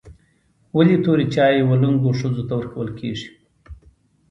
ولي توري چای و لنګو ښځو ته ورکول کیږي؟